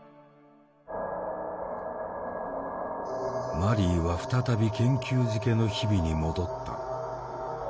マリーは再び研究漬けの日々に戻った。